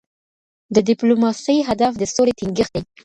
د ډيپلوماسۍ هدف د سولې ټینګښت دی.